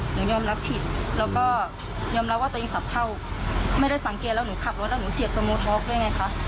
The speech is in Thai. หนูยอมรับผิดแล้วก็ยอมรับว่าตัวเองสับเข้าไม่ได้สังเกตแล้วหนูขับรถแล้วหนูเสียบสโมท็อกด้วยไงคะ